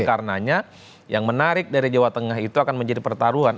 karena yang menarik dari jawa tengah itu akan menjadi pertarungan